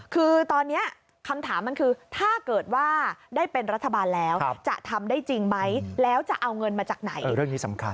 คือตอนนี้คำถามมันคือถ้าเกิดว่าได้เป็นรัฐบาลแล้วจะทำได้จริงไหมแล้วจะเอาเงินมาจากไหนเรื่องนี้สำคัญ